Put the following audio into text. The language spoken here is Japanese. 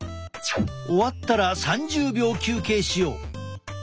終わったら３０秒休憩しよう。